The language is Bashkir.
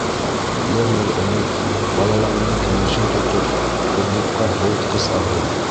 — Бер йыл элек, балаларымдың кәңәшен тотоп, кредитҡа һыуытҡыс алдым.